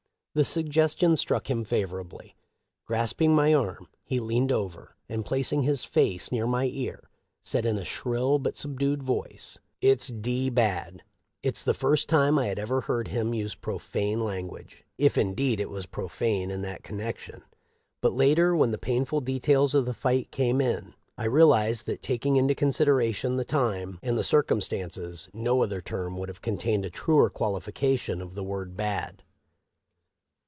The sugges tion struck him favorably. Grasping my arm he leaned over, and placing his face near my ear, said, in a shrill but subdued voice, ' It's d d bad.' It was the first time I had ever heard him use profane lan guage, if indeed it was profane in that connection ; but later, when the painful details of the fight came in, I realized that, taking into consideration the time Henry C. Whitney THE LIFE OF LINCOLN. 543 and the circumstances, no other term would have contained a truer quahfication of the word ' bad.'